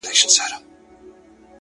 نن: سیاه پوسي ده ـ